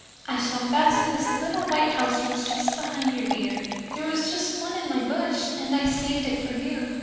I shall fasten this little white house rose just behind your ear. There was just one on my bush, and I saved it for you."